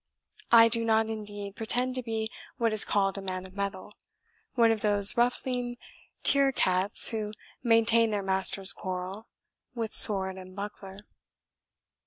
I do not, indeed, pretend to be what is called a man of mettle, one of those ruffling tear cats who maintain their master's quarrel with sword and buckler.